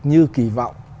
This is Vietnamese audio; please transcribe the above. như kỳ vọng